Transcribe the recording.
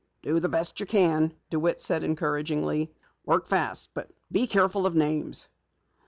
"Do the best you can," DeWitt said encouragingly. "Work fast, but be careful of names."